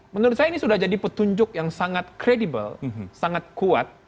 menurut saya ini sudah jadi petunjuk yang sangat kredibel sangat kuat